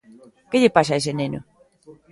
Que lle pasa a ese neno?